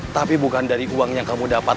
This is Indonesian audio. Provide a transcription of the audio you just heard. tapi bukan dari uang yang kamu dapat